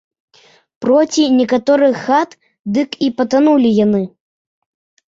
Проці некаторых хат дык і патанулі яны.